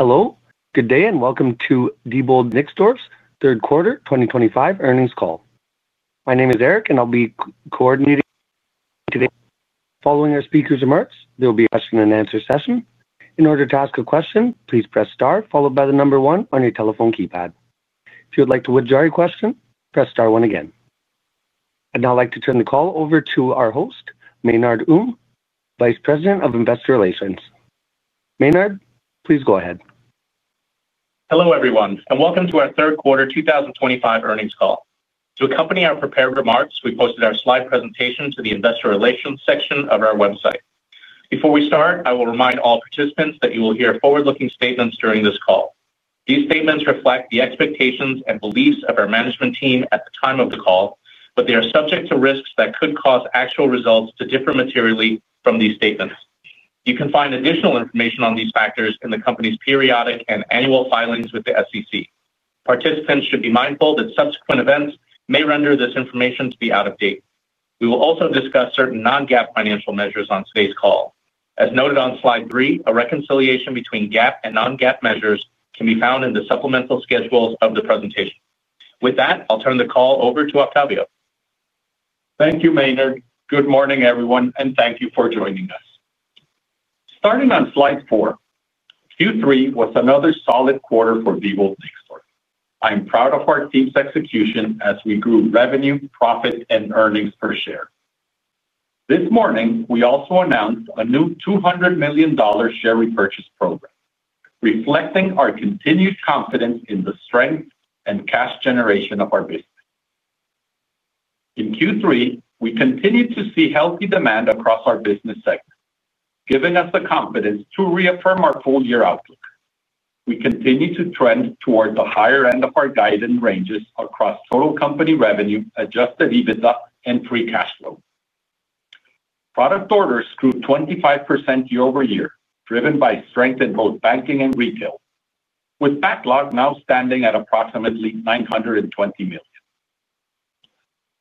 Hello. Good day and welcome to Diebold Nixdorf's third quarter 2025 earnings call. My name is Eric, and I'll be coordinating today. Following our speakers' remarks, there will be a question-and-answer session. In order to ask a question, please press star followed by the number one on your telephone keypad. If you would like to withdraw your question, press star one again. I'd now like to turn the call over to our host, Maynard Um, Vice President of Investor Relations. Maynard, please go ahead. Hello everyone, and welcome to our third quarter 2025 earnings call. To accompany our prepared remarks, we posted our slide presentation to the Investor Relations section of our website. Before we start, I will remind all participants that you will hear forward-looking statements during this call. These statements reflect the expectations and beliefs of our management team at the time of the call, but they are subject to risks that could cause actual results to differ materially from these statements. You can find additional information on these factors in the company's periodic and annual filings with the SEC. Participants should be mindful that subsequent events may render this information to be out of date. We will also discuss certain non-GAAP financial measures on today's call. As noted on slide three, a reconciliation between GAAP and non-GAAP measures can be found in the supplemental schedules of the presentation. With that, I'll turn the call over to Octavio. Thank you, Maynard. Good morning, everyone, and thank you for joining us. Starting on slide four. Q3 was another solid quarter for Diebold Nixdorf. I am proud of our team's execution as we grew revenue, profit, and earnings per share. This morning, we also announced a new $200 million share repurchase program, reflecting our continued confidence in the strength and cash generation of our business. In Q3, we continued to see healthy demand across our business segment, giving us the confidence to reaffirm our full-year outlook. We continue to trend toward the higher end of our guidance ranges across total company revenue, adjusted EBITDA, and free cash flow. Product orders grew 25% year-over-year, driven by strength in both banking and retail, with backlog now standing at approximately $920 million.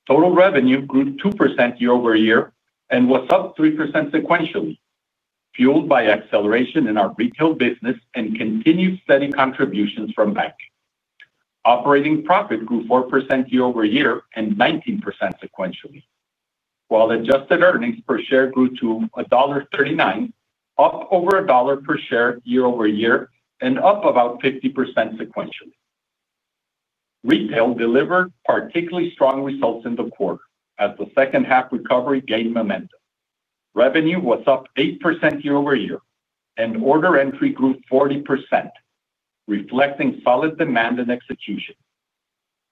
Total revenue grew 2% year-over-year and was up 3% sequentially, fueled by acceleration in our retail business and continued steady contributions from banking. Operating profit grew 4% year-over-year and 19% sequentially, while adjusted earnings per share grew to $1.39, up over $1 per share year-over-year and up about 50% sequentially. Retail delivered particularly strong results in the quarter as the second-half recovery gained momentum. Revenue was up 8% year-over-year, and order entry grew 40%, reflecting solid demand and execution.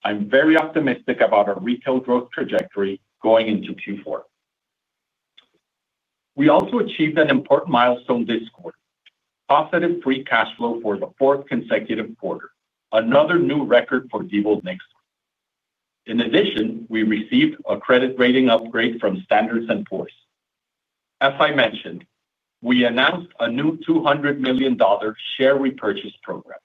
I'm very optimistic about our retail growth trajectory going into Q4. We also achieved an important milestone this quarter: positive free cash flow for the fourth consecutive quarter, another new record for Diebold Nixdorf. In addition, we received a credit rating upgrade from Standard & Poor's. As I mentioned, we announced a new $200 million share repurchase program.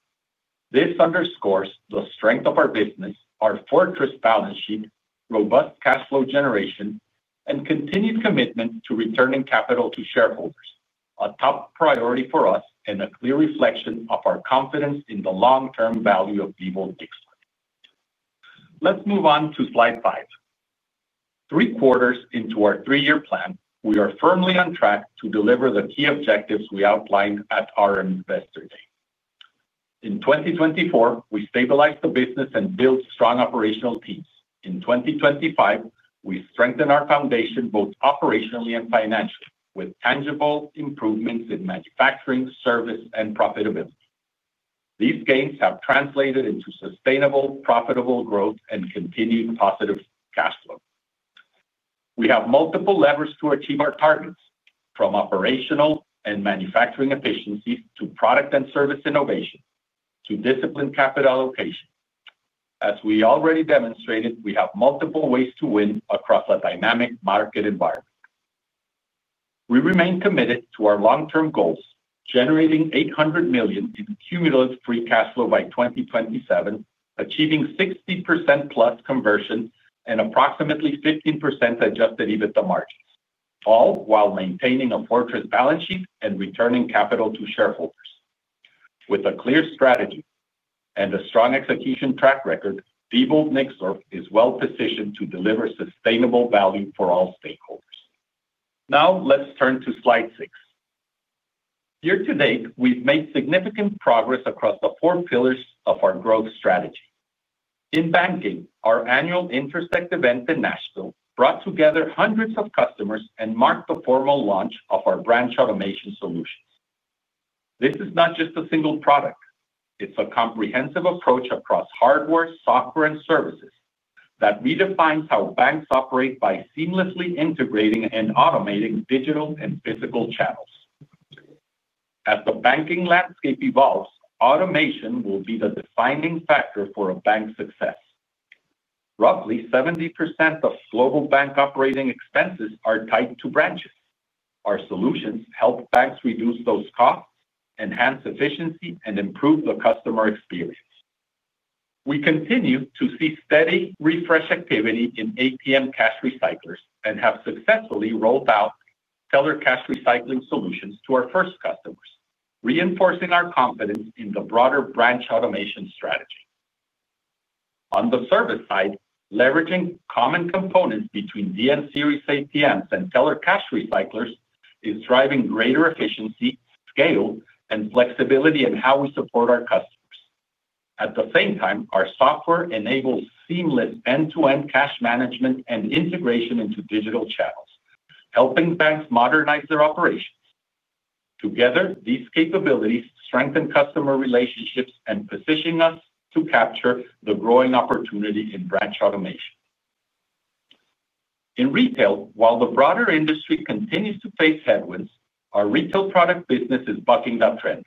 This underscores the strength of our business, our fortress balance sheet, robust cash flow generation, and continued commitment to returning capital to shareholders, a top priority for us and a clear reflection of our confidence in the long-term value of Diebold Nixdorf. Let's move on to slide five. Three quarters into our three-year plan, we are firmly on track to deliver the key objectives we outlined at our investor day. In 2024, we stabilized the business and built strong operational teams. In 2025, we strengthened our foundation both operationally and financially, with tangible improvements in manufacturing, service, and profitability. These gains have translated into sustainable, profitable growth and continued positive cash flow. We have multiple levers to achieve our targets, from operational and manufacturing efficiencies to product and service innovation to disciplined capital allocation. As we already demonstrated, we have multiple ways to win across a dynamic market environment. We remain committed to our long-term goals, generating $800 million in cumulative free cash flow by 2027, achieving 60%+ conversion and approximately 15% adjusted EBITDA margins, all while maintaining a fortress balance sheet and returning capital to shareholders. With a clear strategy and a strong execution track record, Diebold Nixdorf is well positioned to deliver sustainable value for all stakeholders. Now, let's turn to slide six. Year to date, we've made significant progress across the four pillars of our growth strategy. In banking, our annual Intersect event in Nashville brought together hundreds of customers and marked the formal launch of our branch automation solutions. This is not just a single product; it's a comprehensive approach across hardware, software, and services that redefines how banks operate by seamlessly integrating and automating digital and physical channels. As the banking landscape evolves, automation will be the defining factor for a bank's success. Roughly 70% of global bank operating expenses are tied to branches. Our solutions help banks reduce those costs, enhance efficiency, and improve the customer experience. We continue to see steady refresh activity in ATM cash recyclers and have successfully rolled out teller cash recycling solutions to our first customers, reinforcing our confidence in the broader branch automation strategy. On the service side, leveraging common components between DN series ATMs and teller cash recyclers is driving greater efficiency, scale, and flexibility in how we support our customers. At the same time, our software enables seamless end-to-end cash management and integration into digital channels, helping banks modernize their operations. Together, these capabilities strengthen customer relationships and position us to capture the growing opportunity in branch automation. In retail, while the broader industry continues to face headwinds, our retail product business is bucking that trend.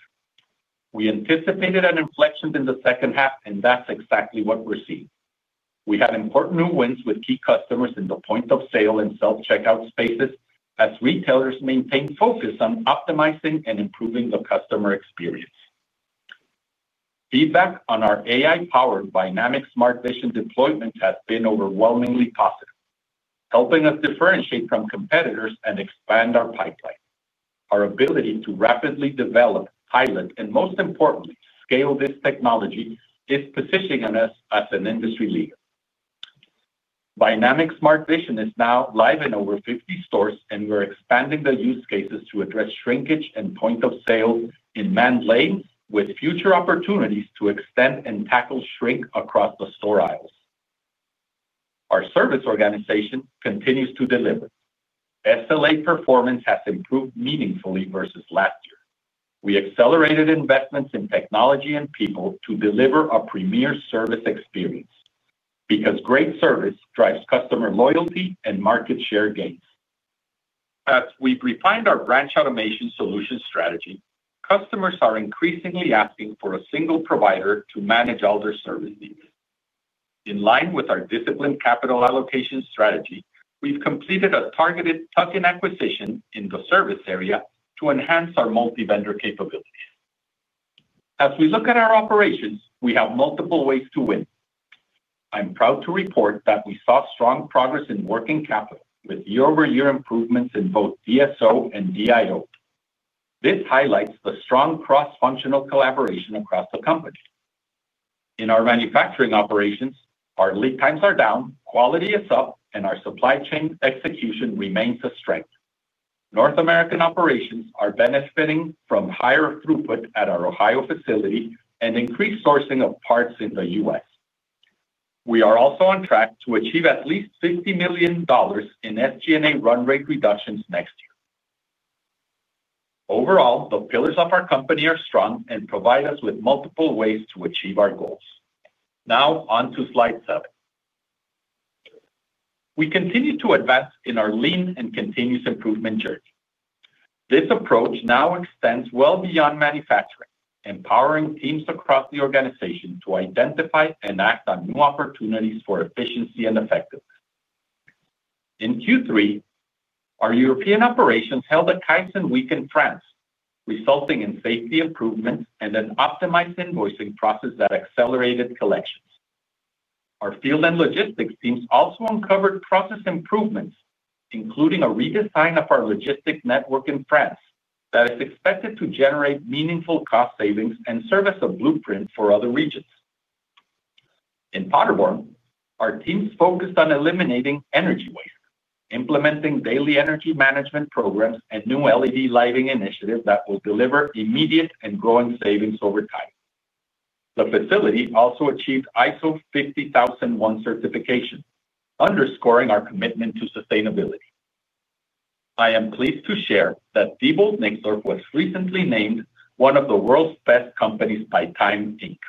We anticipated an inflection in the second half, and that's exactly what we're seeing. We had important new wins with key customers in the point of sale and self-checkout spaces as retailers maintained focus on optimizing and improving the customer experience. Feedback on our AI-powered Vynamic Smart Vision deployment has been overwhelmingly positive, helping us differentiate from competitors and expand our pipeline. Our ability to rapidly develop, pilot, and most importantly, scale this technology is positioning us as an industry leader. Vynamic Smart Vision is now live in over 50 stores, and we're expanding the use cases to address shrinkage and point of sale in man lanes, with future opportunities to extend and tackle shrink across the store aisles. Our service organization continues to deliver. SLA performance has improved meaningfully versus last year. We accelerated investments in technology and people to deliver a premier service experience because great service drives customer loyalty and market share gains. As we've refined our branch automation solution strategy, customers are increasingly asking for a single provider to manage all their service needs. In line with our disciplined capital allocation strategy, we've completed a targeted plug-in acquisition in the service area to enhance our multi-vendor capabilities. As we look at our operations, we have multiple ways to win. I'm proud to report that we saw strong progress in working capital with year-over-year improvements in both DSO and DIO. This highlights the strong cross-functional collaboration across the company. In our manufacturing operations, our lead times are down, quality is up, and our supply chain execution remains a strength. North American operations are benefiting from higher throughput at our Ohio facility and increased sourcing of parts in the U.S. We are also on track to achieve at least $50 million in SG&A run rate reductions next year. Overall, the pillars of our company are strong and provide us with multiple ways to achieve our goals. Now, on to slide seven. We continue to advance in our lean and continuous improvement journey. This approach now extends well beyond manufacturing, empowering teams across the organization to identify and act on new opportunities for efficiency and effectiveness. In Q3, our European operations held a Kaizen week in France, resulting in safety improvements and an optimized invoicing process that accelerated collections. Our field and logistics teams also uncovered process improvements, including a redesign of our logistics network in France that is expected to generate meaningful cost savings and serve as a blueprint for other regions. In Paderborn, our teams focused on eliminating energy waste, implementing daily energy management programs, and a new LED lighting initiative that will deliver immediate and growing savings over time. The facility also achieved ISO 50001 certification, underscoring our commitment to sustainability. I am pleased to share that Diebold Nixdorf was recently named one of the world's best companies by Time Inc.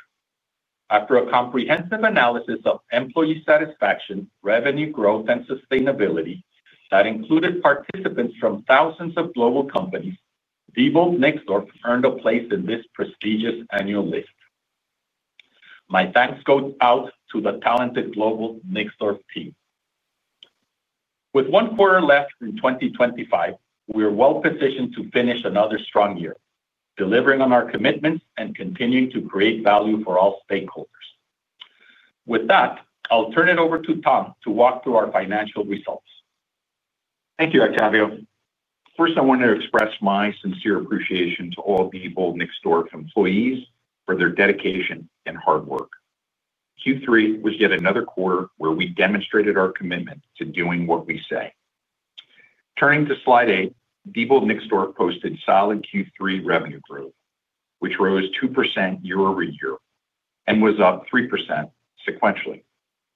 After a comprehensive analysis of employee satisfaction, revenue growth, and sustainability that included participants from thousands of global companies, Diebold Nixdorf earned a place in this prestigious annual list. My thanks go out to the talented global Nixdorf team. With one quarter left in 2025, we are well positioned to finish another strong year, delivering on our commitments and continuing to create value for all stakeholders. With that, I'll turn it over to Tom to walk through our financial results. Thank you, Octavio. First, I want to express my sincere appreciation to all Diebold Nixdorf employees for their dedication and hard work. Q3 was yet another quarter where we demonstrated our commitment to doing what we say. Turning to slide eight, Diebold Nixdorf posted solid Q3 revenue growth, which rose 2% year-over-year and was up 3% sequentially.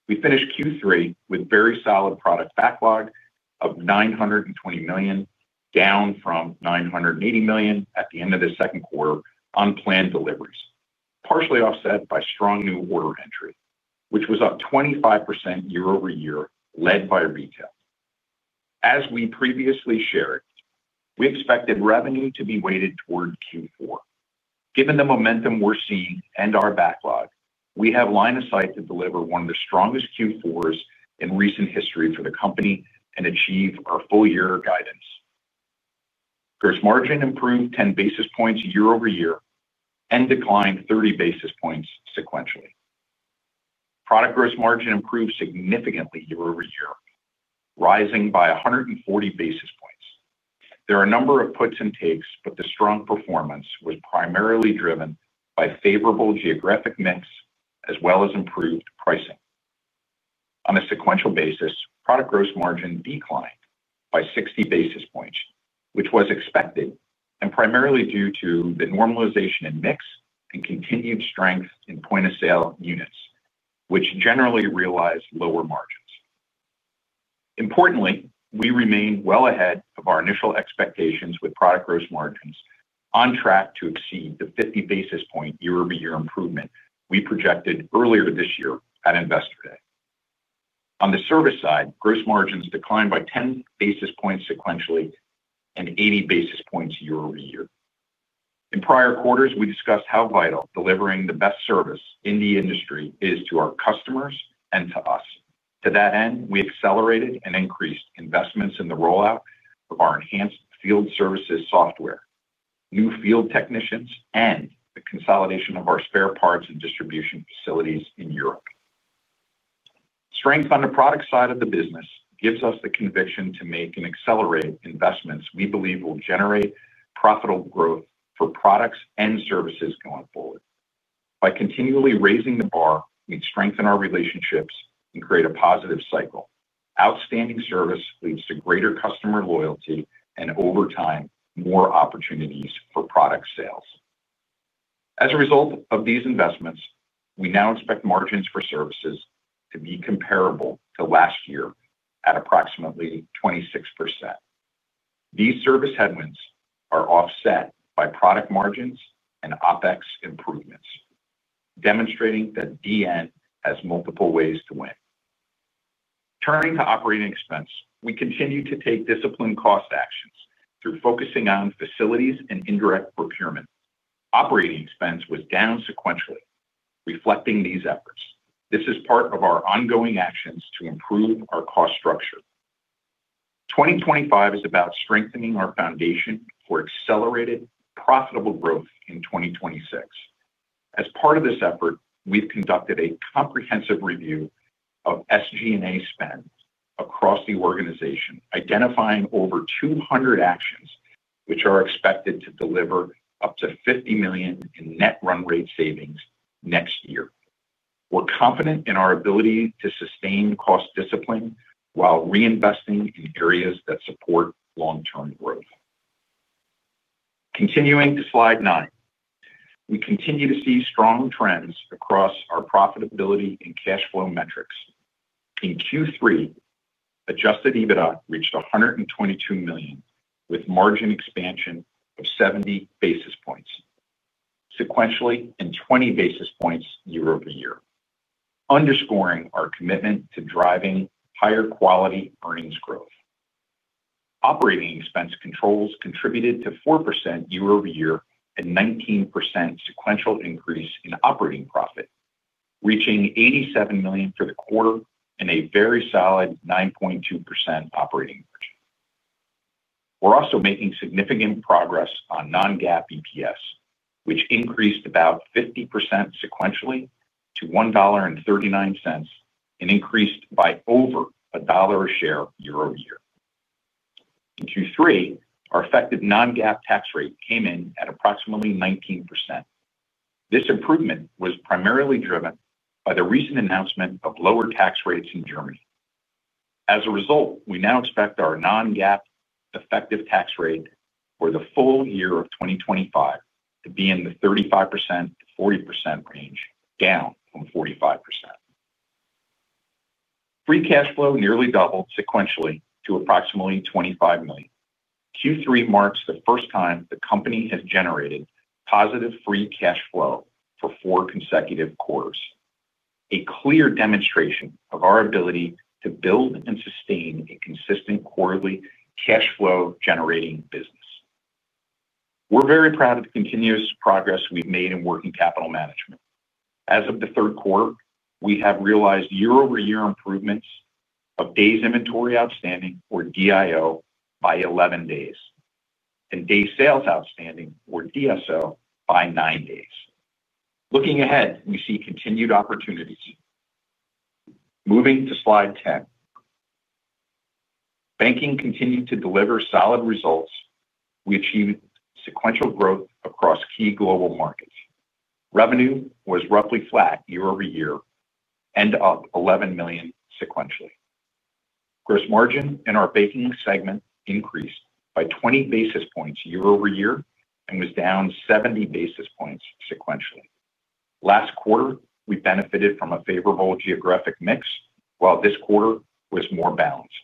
We finished Q3 with very solid product backlog of $920 million, down from $980 million at the end of the second quarter on planned deliveries, partially offset by strong new order entry, which was up 25% year-over-year, led by retail. As we previously shared, we expected revenue to be weighted toward Q4. Given the momentum we're seeing and our backlog, we have line of sight to deliver one of the strongest Q4s in recent history for the company and achieve our full-year guidance. Gross margin improved 10 basis points year-over-year and declined 30 basis points sequentially. Product gross margin improved significantly year-over-year, rising by 140 basis points. There are a number of puts and takes, but the strong performance was primarily driven by favorable geographic mix as well as improved pricing. On a sequential basis, product gross margin declined by 60 basis points, which was expected and primarily due to the normalization in mix and continued strength in point of sale units, which generally realized lower margins. Importantly, we remain well ahead of our initial expectations with product gross margins on track to exceed the 50 basis point year-over-year improvement we projected earlier this year at investor day. On the service side, gross margins declined by 10 basis points sequentially and 80 basis points year-over-year. In prior quarters, we discussed how vital delivering the best service in the industry is to our customers and to us. To that end, we accelerated and increased investments in the rollout of our enhanced field services software, new field technicians, and the consolidation of our spare parts and distribution facilities in Europe. Strength on the product side of the business gives us the conviction to make and accelerate investments we believe will generate profitable growth for products and services going forward. By continually raising the bar, we strengthen our relationships and create a positive cycle. Outstanding service leads to greater customer loyalty and, over time, more opportunities for product sales. As a result of these investments, we now expect margins for services to be comparable to last year at approximately 26%. These service headwinds are offset by product margins and OpEx improvements, demonstrating that DN has multiple ways to win. Turning to operating expense, we continue to take disciplined cost actions through focusing on facilities and indirect procurement. Operating expense was down sequentially, reflecting these efforts. This is part of our ongoing actions to improve our cost structure. 2025 is about strengthening our foundation for accelerated, profitable growth in 2026. As part of this effort, we've conducted a comprehensive review of SG&A spend across the organization, identifying over 200 actions which are expected to deliver up to $50 million in net run rate savings next year. We're confident in our ability to sustain cost discipline while reinvesting in areas that support long-term growth. Continuing to slide nine, we continue to see strong trends across our profitability and cash flow metrics. In Q3, adjusted EBITDA reached $122 million with margin expansion of 70 basis points, sequentially and 20 basis points year-over-year, underscoring our commitment to driving higher quality earnings growth. Operating expense controls contributed to 4% year-over-year and 19% sequential increase in operating profit, reaching $87 million for the quarter and a very solid 9.2% operating margin. We're also making significant progress on non-GAAP EPS, which increased about 50% sequentially to $1.39 and increased by over a dollar a share year-over-year. In Q3, our effective non-GAAP tax rate came in at approximately 19%. This improvement was primarily driven by the recent announcement of lower tax rates in Germany. As a result, we now expect our non-GAAP effective tax rate for the full year of 2025 to be in the 35%-40% range, down from 45%. Free cash flow nearly doubled sequentially to approximately $25 million. Q3 marks the first time the company has generated positive free cash flow for four consecutive quarters, a clear demonstration of our ability to build and sustain a consistent quarterly cash flow-generating business. We're very proud of the continuous progress we've made in working capital management. As of the third quarter, we have realized year-over-year improvements of days inventory outstanding, or DIO, by 11 days, and days sales outstanding, or DSO, by 9 days. Looking ahead, we see continued opportunities. Moving to slide 10. Banking continued to deliver solid results. We achieved sequential growth across key global markets. Revenue was roughly flat year-over-year and up $11 million sequentially. Gross margin in our banking segment increased by 20 basis points year-over-year and was down 70 basis points sequentially. Last quarter, we benefited from a favorable geographic mix, while this quarter was more balanced.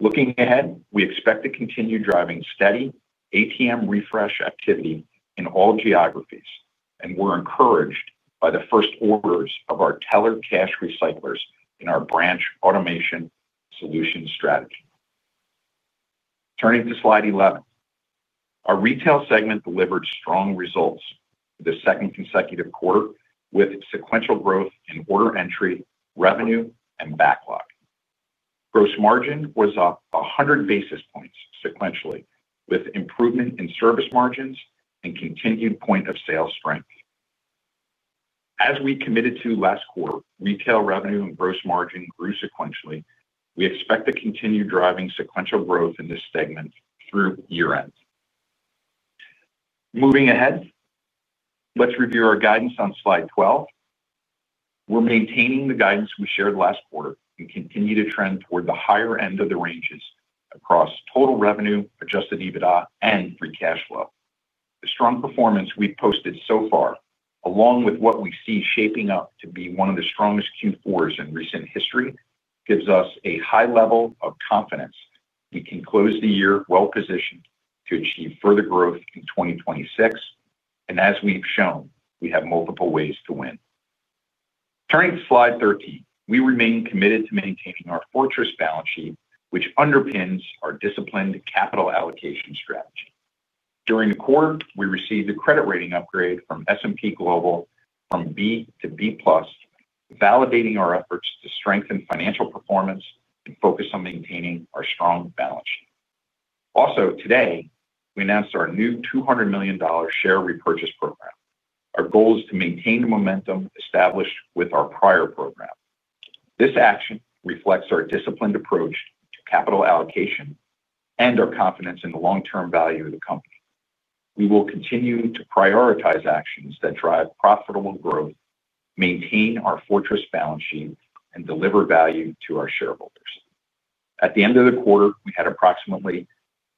Looking ahead, we expect to continue driving steady ATM refresh activity in all geographies, and we're encouraged by the first orders of our teller cash recyclers in our branch automation solution strategy. Turning to slide 11. Our retail segment delivered strong results for the second consecutive quarter with sequential growth in order entry, revenue, and backlog. Gross margin was up 100 basis points sequentially, with improvement in service margins and continued point of sale strength. As we committed to last quarter, retail revenue and gross margin grew sequentially. We expect to continue driving sequential growth in this segment through year-end. Moving ahead, let's review our guidance on slide 12. We're maintaining the guidance we shared last quarter and continue to trend toward the higher end of the ranges across total revenue, adjusted EBITDA, and free cash flow. The strong performance we've posted so far, along with what we see shaping up to be one of the strongest Q4s in recent history, gives us a high level of confidence. We can close the year well positioned to achieve further growth in 2026. As we've shown, we have multiple ways to win. Turning to slide 13, we remain committed to maintaining our fortress balance sheet, which underpins our disciplined capital allocation strategy. During the quarter, we received a credit rating upgrade from S&P Global from B to B+, validating our efforts to strengthen financial performance and focus on maintaining our strong balance sheet. Also, today, we announced our new $200 million share repurchase program. Our goal is to maintain the momentum established with our prior program. This action reflects our disciplined approach to capital allocation and our confidence in the long-term value of the company. We will continue to prioritize actions that drive profitable growth, maintain our fortress balance sheet, and deliver value to our shareholders. At the end of the quarter, we had approximately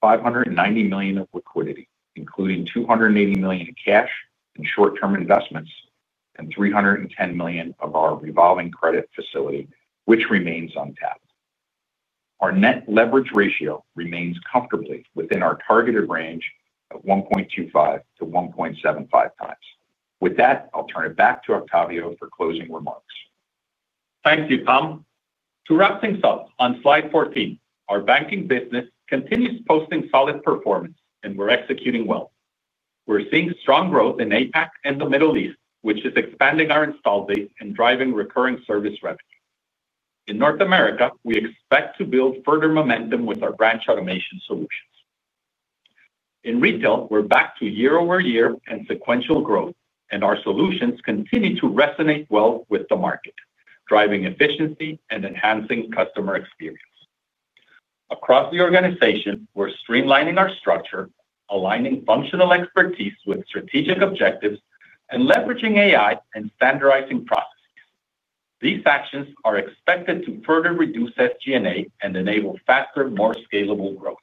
$590 million of liquidity, including $280 million in cash and short-term investments and $310 million of our revolving credit facility, which remains untapped. Our net leverage ratio remains comfortably within our targeted range of 1.25x-1.75x. With that, I'll turn it back to Octavio for closing remarks. Thank you, Tom. To wrap things up, on slide 14, our banking business continues posting solid performance, and we're executing well. We're seeing strong growth in APAC and the Middle East, which is expanding our install base and driving recurring service revenue. In North America, we expect to build further momentum with our branch automation solutions. In retail, we're back to year-over-year and sequential growth, and our solutions continue to resonate well with the market, driving efficiency and enhancing customer experience. Across the organization, we're streamlining our structure, aligning functional expertise with strategic objectives, and leveraging AI and standardizing processes. These actions are expected to further reduce SG&A and enable faster, more scalable growth.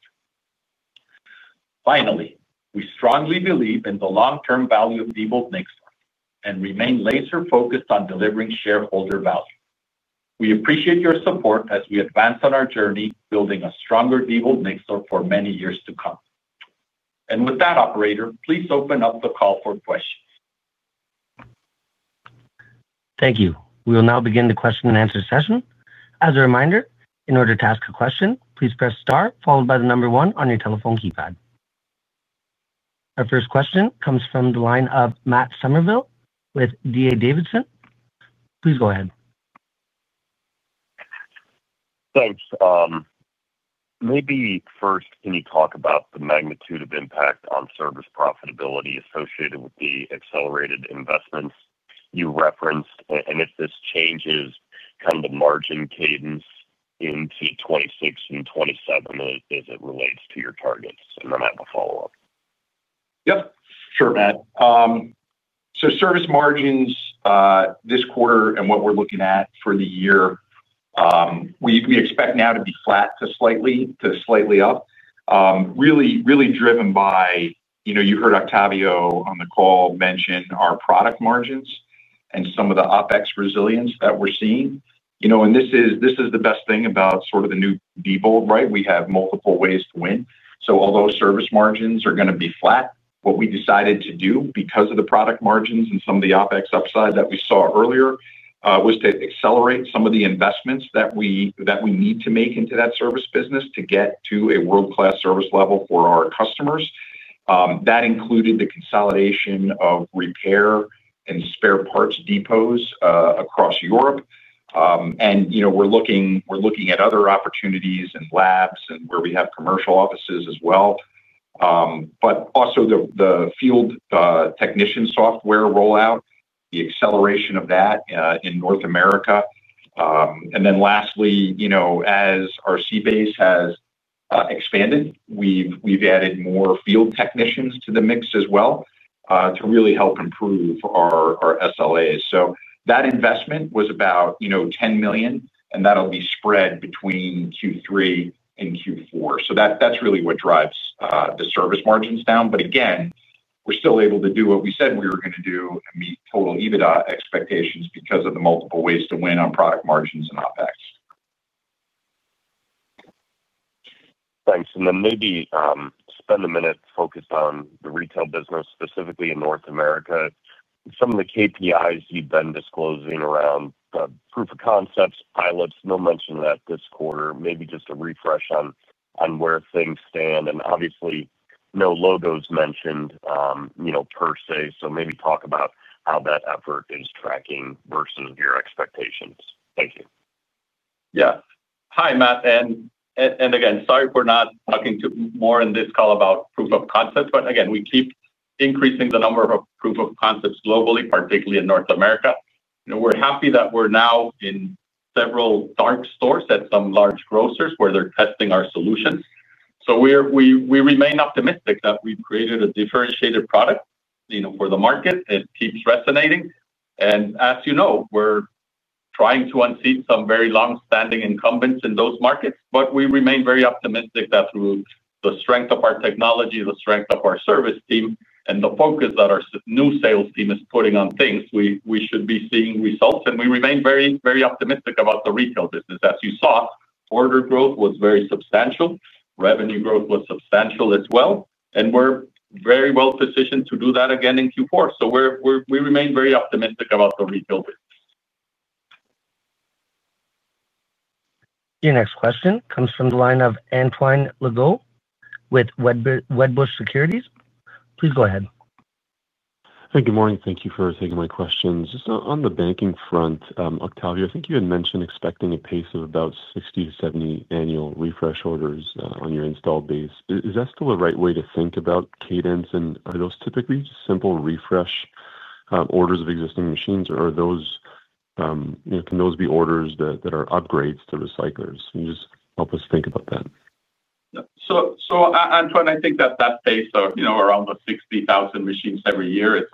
Finally, we strongly believe in the long-term value of Diebold Nixdorf and remain laser-focused on delivering shareholder value. We appreciate your support as we advance on our journey building a stronger Diebold Nixdorf for many years to come. Operator, please open up the call for questions. Thank you. We will now begin the question-and-answer session. As a reminder, in order to ask a question, please press star, followed by the number one on your telephone keypad. Our first question comes from the line of Matt Summerville with DA Davidson. Please go ahead. Thanks. Maybe first, can you talk about the magnitude of impact on service profitability associated with the accelerated investments you referenced, and if this changes kind of the margin cadence into 2026 and 2027 as it relates to your targets? And then I have a follow-up. Yep. Sure, Matt. So service margins this quarter and what we're looking at for the year, we expect now to be flat to slightly up, really driven by, you heard Octavio on the call mention our product margins and some of the OpEx resilience that we're seeing. This is the best thing about sort of the new Diebold, right? We have multiple ways to win. Although service margins are going to be flat, what we decided to do because of the product margins and some of the OpEx upside that we saw earlier was to accelerate some of the investments that we need to make into that service business to get to a world-class service level for our customers. That included the consolidation of repair and spare parts depots across Europe. We are looking at other opportunities and labs and where we have commercial offices as well. Also the field technician software rollout, the acceleration of that in North America. Lastly, as our C base has expanded, we've added more field technicians to the mix as well to really help improve our SLAs. That investment was about $10 million, and that'll be spread between Q3 and Q4. That's really what drives the service margins down. Again, we're still able to do what we said we were going to do and meet total EBITDA expectations because of the multiple ways to win on product margins and OpEx. Thanks. Maybe spend a minute focused on the retail business, specifically in North America. Some of the KPIs you've been disclosing around the proof of concepts, pilots, no mention of that this quarter, maybe just a refresh on where things stand. Obviously, no logos mentioned per se. Maybe talk about how that effort is tracking versus your expectations. Thank you. Yeah. Hi, Matt. Again, sorry if we're not talking more in this call about proof of concept. Again, we keep increasing the number of proof of concepts globally, particularly in North America. We're happy that we're now in several dark stores at some large grocers where they're testing our solutions. We remain optimistic that we've created a differentiated product for the market. It keeps resonating. As you know, we're trying to unseat some very long-standing incumbents in those markets. We remain very optimistic that through the strength of our technology, the strength of our service team, and the focus that our new sales team is putting on things, we should be seeing results. We remain very optimistic about the retail business. As you saw, order growth was very substantial. Revenue growth was substantial as well. We are very well positioned to do that again in Q4. We remain very optimistic about the retail business. Your next question comes from the line of Antoine Legault with Wedbush Securities. Please go ahead. Hey, good morning. Thank you for taking my questions. On the banking front, Octavio, I think you had mentioned expecting a pace of about 60-70 annual refresh orders on your install base. Is that still the right way to think about cadence? Are those typically just simple refresh orders of existing machines, or can those be orders that are upgrades to recyclers? Can you just help us think about that? Antoine, I think that that pace around the 60,000 machines every year is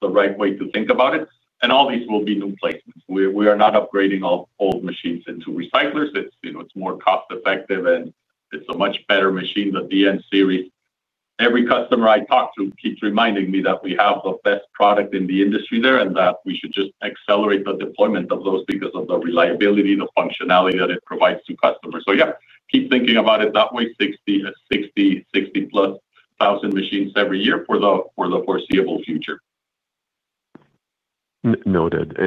the right way to think about it. All these will be new placements. We are not upgrading all old machines into recyclers. It is more cost-effective, and it is a much better machine, the DN series. Every customer I talk to keeps reminding me that we have the best product in the industry there and that we should just accelerate the deployment of those because of the reliability, the functionality that it provides to customers. Yeah, keep thinking about it that way, 60,000+ machines every year for the foreseeable future. Noted.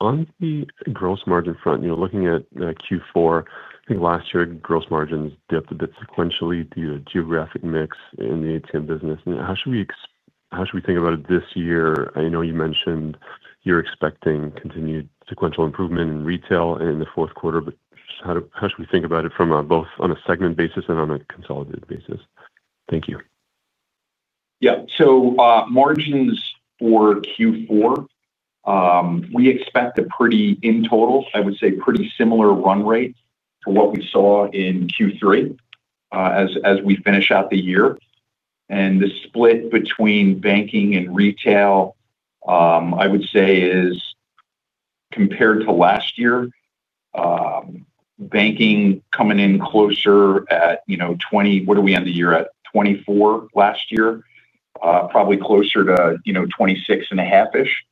On the gross margin front, looking at Q4, I think last year gross margins dipped a bit sequentially due to geographic mix in the ATM business. How should we think about it this year? I know you mentioned you're expecting continued sequential improvement in retail in the fourth quarter. How should we think about it from both on a segment basis and on a consolidated basis? Thank you. Yeah. So margins for Q4. We expect a pretty, in total, I would say, pretty similar run rate to what we saw in Q3 as we finish out the year. The split between banking and retail, I would say, is, compared to last year, banking coming in closer at 20, what are we on the year at, 24 last year, probably closer to 26.5-ish,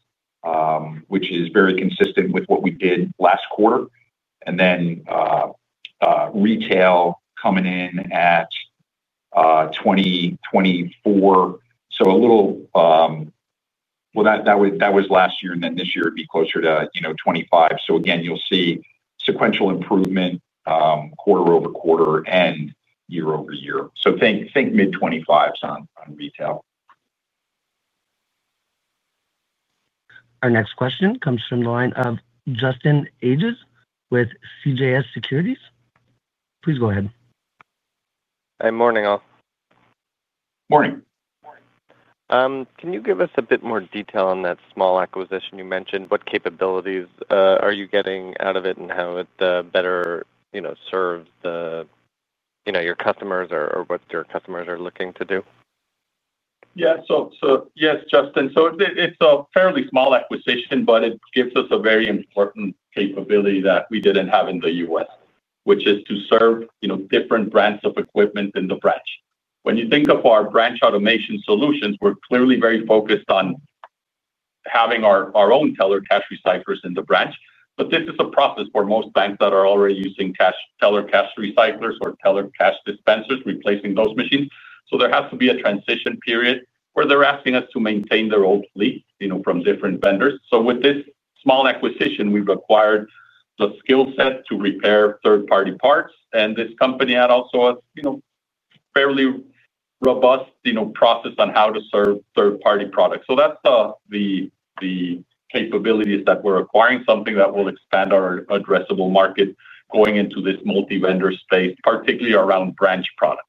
which is very consistent with what we did last quarter. Retail coming in at 20, 24, so a little, well, that was last year, and then this year it'd be closer to 25. Again, you'll see sequential improvement quarter over quarter and year over year. Think mid-25s on retail. Our next question comes from the line of Justin Ages with CJS Securities. Please go ahead. Hey, morning, all. Morning. Morning. Can you give us a bit more detail on that small acquisition you mentioned? What capabilities are you getting out of it and how it better serves your customers or what your customers are looking to do? Yeah. So yes, Justin. So it's a fairly small acquisition, but it gives us a very important capability that we didn't have in the U.S., which is to serve different brands of equipment in the branch. When you think of our branch automation solutions, we're clearly very focused on having our own teller cash recyclers in the branch. But this is a process for most banks that are already using teller cash recyclers or teller cash dispensers, replacing those machines. There has to be a transition period where they're asking us to maintain their old fleet from different vendors. With this small acquisition, we've acquired the skill set to repair third-party parts. This company also had a fairly robust process on how to serve third-party products. So that's the. Capabilities that we're acquiring, something that will expand our addressable market going into this multi-vendor space, particularly around branch products.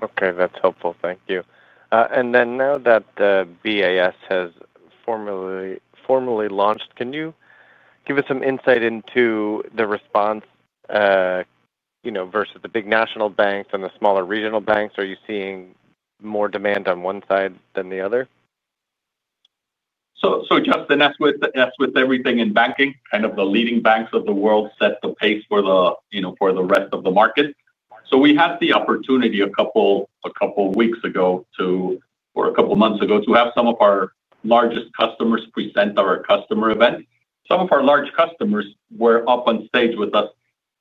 Okay. That's helpful. Thank you. Now that BAS has formally launched, can you give us some insight into the response versus the big national banks and the smaller regional banks? Are you seeing more demand on one side than the other? Justin, as with everything in banking, kind of the leading banks of the world set the pace for the rest of the market. We had the opportunity a couple weeks ago, or a couple months ago, to have some of our largest customers present at our customer event. Some of our large customers were up on stage with us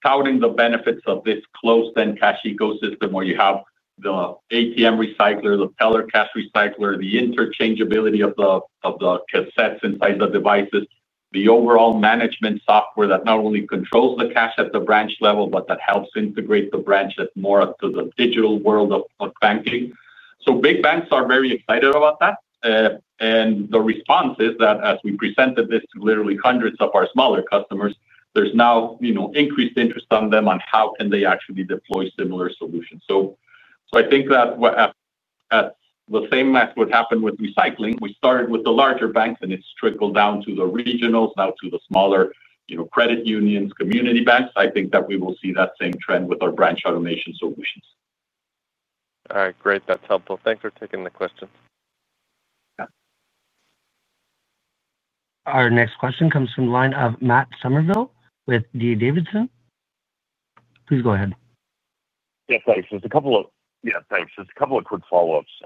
touting the benefits of this closed-end cash ecosystem where you have the ATM recycler, the teller cash recycler, the interchangeability of the cassettes inside the devices, the overall management software that not only controls the cash at the branch level, but that helps integrate the branch more to the digital world of banking. Big banks are very excited about that. The response is that as we presented this to literally hundreds of our smaller customers, there's now increased interest from them on how can they actually deploy similar solutions. I think that, the same as what happened with recycling, we started with the larger banks, and it's trickled down to the regionals, now to the smaller credit unions, community banks. I think that we will see that same trend with our branch automation solutions. All right. Great. That's helpful. Thanks for taking the question. Our next question comes from the line of Matt Summerville with DA Davidson. Please go ahead. Yes, thanks. There's a couple of—yeah, thanks. There's a couple of quick follow-ups.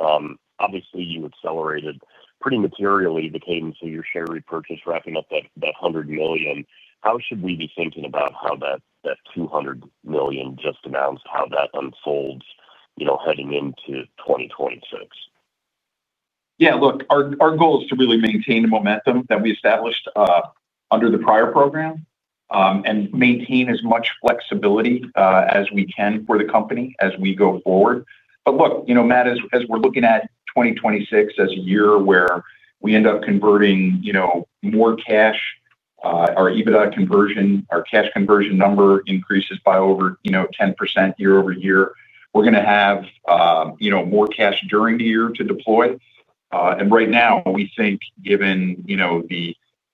Obviously, you accelerated pretty materially the cadence of your share repurchase, wrapping up that $100 million. How should we be thinking about how that $200 million just announced, how that unfolds heading into 2026? Yeah. Look, our goal is to really maintain the momentum that we established under the prior program and maintain as much flexibility as we can for the company as we go forward. Look, Matt, as we're looking at 2026 as a year where we end up converting more cash, our EBITDA conversion, our cash conversion number increases by over 10% year over year. We're going to have more cash during the year to deploy. Right now, we think, given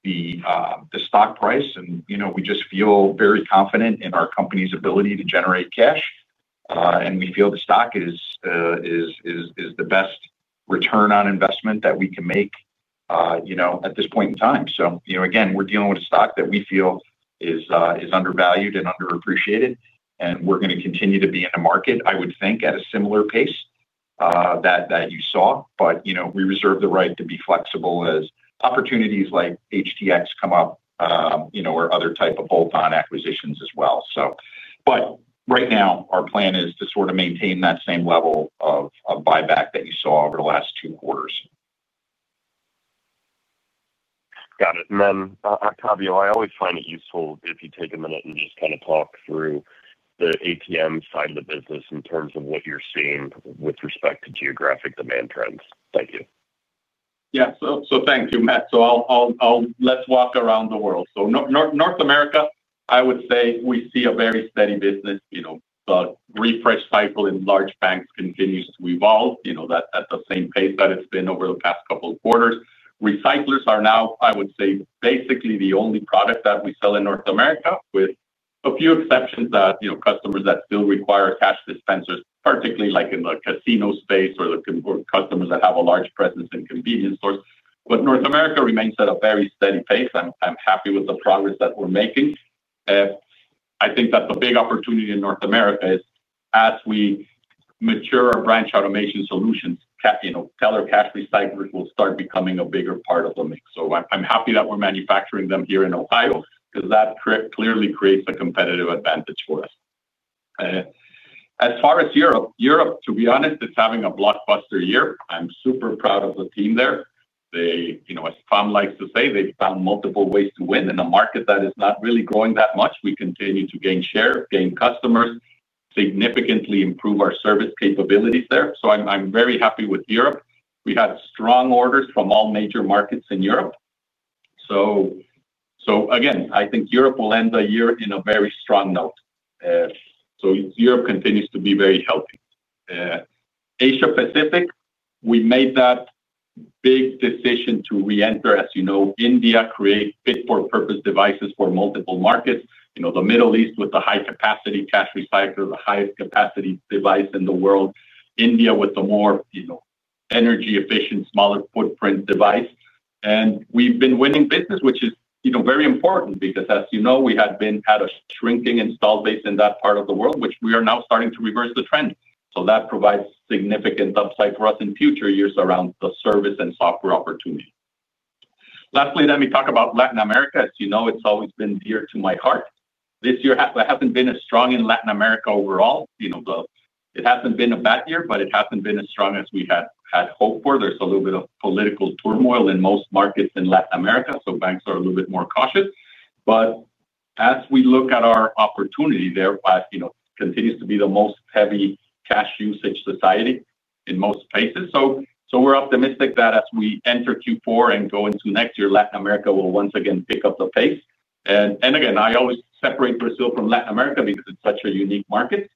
the stock price, and we just feel very confident in our company's ability to generate cash. We feel the stock is the best return on investment that we can make at this point in time. Again, we're dealing with a stock that we feel is undervalued and underappreciated. We are going to continue to be in the market, I would think, at a similar pace that you saw. We reserve the right to be flexible as opportunities like HTX come up or other types of bolt-on acquisitions as well. Right now, our plan is to sort of maintain that same level of buyback that you saw over the last two quarters. Got it. Octavio, I always find it useful if you take a minute and just kind of talk through the ATM side of the business in terms of what you're seeing with respect to geographic demand trends. Thank you. Yeah. Thank you, Matt. Let's walk around the world. North America, I would say we see a very steady business. The refresh cycle in large banks continues to evolve at the same pace that it's been over the past couple of quarters. Recyclers are now, I would say, basically the only product that we sell in North America, with a few exceptions that customers that still require cash dispensers, particularly in the casino space or customers that have a large presence in convenience stores. North America remains at a very steady pace. I'm happy with the progress that we're making. I think that the big opportunity in North America is, as we mature our branch automation solutions, teller cash recyclers will start becoming a bigger part of the mix. I'm happy that we're manufacturing them here in Ohio because that clearly creates a competitive advantage for us. As far as Europe, to be honest, it's having a blockbuster year. I'm super proud of the team there. As Tom likes to say, they found multiple ways to win in a market that is not really growing that much. We continue to gain share, gain customers, significantly improve our service capabilities there. I'm very happy with Europe. We had strong orders from all major markets in Europe. I think Europe will end the year on a very strong note. Europe continues to be very healthy. Asia-Pacific, we made that big decision to reenter, as you know, India, create fit-for-purpose devices for multiple markets. The Middle East with the high-capacity cash recycler, the highest capacity device in the world. India with the more. Energy-efficient, smaller footprint device. We have been winning business, which is very important because, as you know, we had been at a shrinking install base in that part of the world, which we are now starting to reverse the trend. That provides significant upside for us in future years around the service and software opportunity. Lastly, let me talk about Latin America. As you know, it has always been dear to my heart. This year, I have not been as strong in Latin America overall. It has not been a bad year, but it has not been as strong as we had hoped for. There is a little bit of political turmoil in most markets in Latin America, so banks are a little bit more cautious. As we look at our opportunity there, it continues to be the most heavy cash usage society in most places. We're optimistic that as we enter Q4 and go into next year, Latin America will once again pick up the pace. I always separate Brazil from Latin America because it's such a unique market.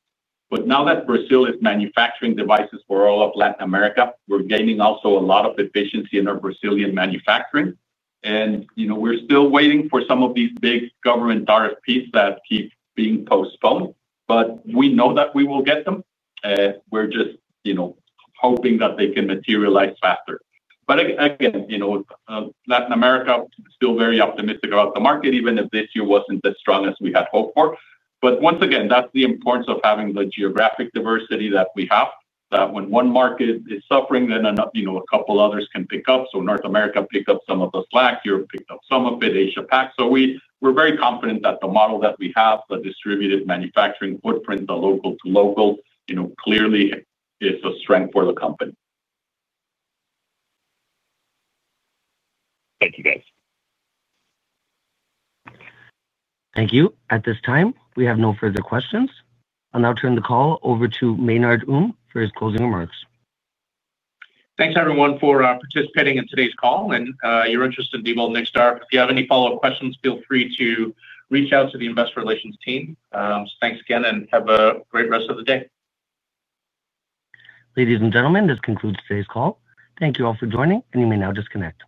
Now that Brazil is manufacturing devices for all of Latin America, we're gaining also a lot of efficiency in our Brazilian manufacturing. We're still waiting for some of these big government RFPs that keep being postponed. We know that we will get them. We're just hoping that they can materialize faster. Latin America is still very optimistic about the market, even if this year wasn't as strong as we had hoped for. Once again, that's the importance of having the geographic diversity that we have, that when one market is suffering, then a couple others can pick up. North America picked up some of the slack. Europe picked up some of it. Asia-Pac. So we're very confident that the model that we have, the distributed manufacturing footprint, the local-to-local, clearly is a strength for the company. Thank you, guys. Thank you. At this time, we have no further questions. I'll now turn the call over to Maynard Um for his closing remarks. Thanks, everyone, for participating in today's call and your interest in Diebold Nixdorf. If you have any follow-up questions, feel free to reach out to the investor relations team. Thanks again, and have a great rest of the day. Ladies and gentlemen, this concludes today's call. Thank you all for joining, and you may now disconnect.